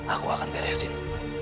aku akan beresin